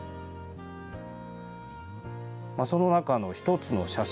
その中の１つの写真